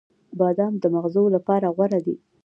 • بادام د مغزو لپاره غوره دی.